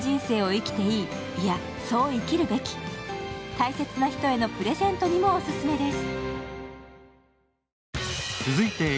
大切な人へのプレゼントにもオススメです。